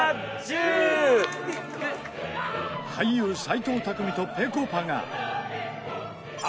俳優斎藤工とぺこぱが。